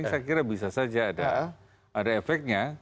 saya kira bisa saja ada efeknya